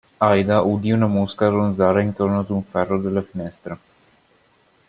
Aida udì una mosca ronzare intorno ad un ferro della finestra.